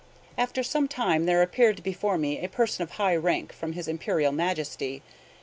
After some time there appeared before me a person of high rank from his Imperial Majesty.